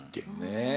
ねえ。